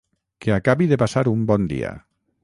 Que acabi de passar un bon dia.